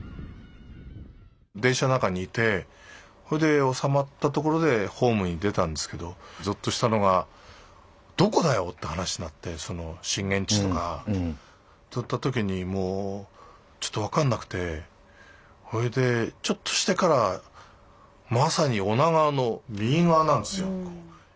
電車の中にいてほいで収まったところでホームに出たんですけどゾッとしたのがどこだよって話になってその震源地とかといった時にもうちょっと分かんなくてほいでちょっとしてからまさに女川の右側なんですよ。